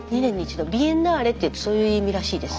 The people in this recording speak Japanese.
「ビエンナーレ」っていうとそういう意味らしいです。